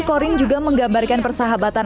korin juga menggambarkan persahabatan